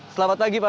selamat pagi pak